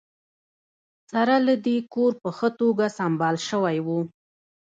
سره له دې کور په ښه توګه سمبال شوی و